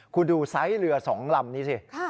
คุณดูไซส์เรือ๒ลำนี้สิ